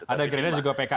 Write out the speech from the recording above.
ada gerindra juga pks ya